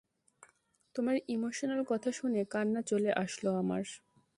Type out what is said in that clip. তোমার ইমোশনাল কথা শুনে কান্না চলে আসলো আমার।